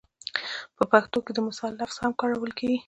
په پښتو کې د مثال لفظ هم کارول کېږي